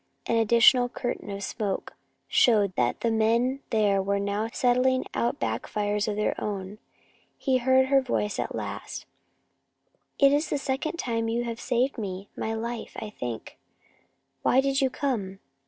An additional curtain of smoke showed that the men there now were setting out back fires of their own. He heard her voice at last: "It is the second time you have saved me saved my life, I think. Why did you come?"